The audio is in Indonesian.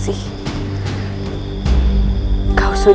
tidak ada kesalahan